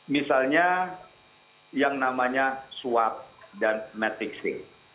misalnya yang namanya swap dan matrixing